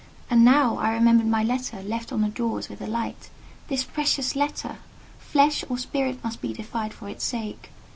And, now, I remembered my letter, left on the drawers with the light. This precious letter! Flesh or spirit must be defied for its sake.